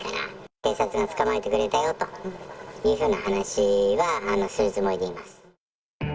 警察が捕まえてくれたよというふうな話はするつもりでいます。